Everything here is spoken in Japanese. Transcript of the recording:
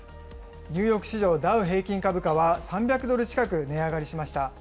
ニューヨーク市場ダウ平均株価は、３００ドル近く値上がりしました。